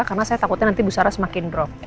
karena saya takutnya nanti bu sara semakin drop